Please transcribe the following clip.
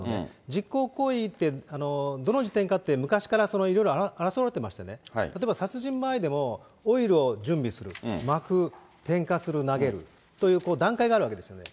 実行行為って、どの時点かって、昔からいろいろ争われてましてね、例えば殺人前でも、オイルを準備する、まく、点火する、投げるという、段階があるわけですよね。